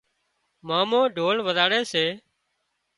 مامو ڍول وزاڙي سي